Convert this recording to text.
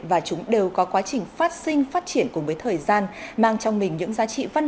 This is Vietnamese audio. và chúng đều có quá trình phát sinh phát triển cùng với thời gian